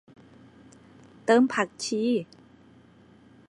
เติมผักชี